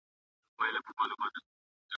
د کور فکر د کاري وخت لپاره نه دی.